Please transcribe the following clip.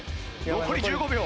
残り１５秒。